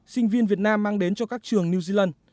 sinh viên việt nam mang đến cho các trường new zealand